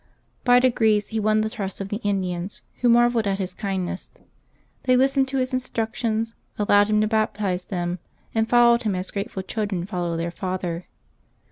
By degrees he won the trust of the Indians, who marvelled at his kindness ; they listened to his instructions, allowed him to baptize them, and followed him as grateful children fol low their father.